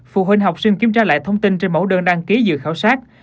phụ huynh học sinh kiểm tra lại thông tin trên mẫu đơn đăng ký dự khảo sát